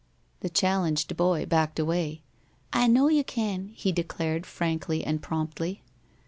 The challenged boy backed away. "I know you can," he declared, frankly and promptly.